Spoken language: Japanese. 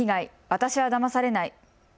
私はだまされない。